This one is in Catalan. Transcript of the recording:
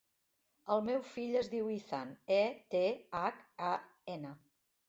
El meu fill es diu Ethan: e, te, hac, a, ena.